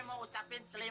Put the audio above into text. mau ga diterima